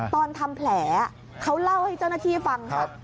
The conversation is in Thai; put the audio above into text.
ตอนทำแผลเขาเล่าให้เจ้าหน้าที่ฟังครับ